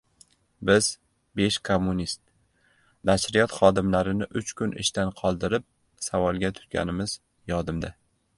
Biz, besh kommunist, nashriyot xodimlarini uch kun ishdan qoldirib, savolga tutganimiz yodimda.